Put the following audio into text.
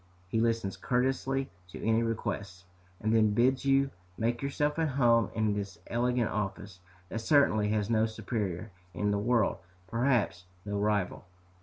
He listens courteously to any requests, and then bids you make yourself at home in this elegant office, that certainly has no superior in the world, perhaps no rival.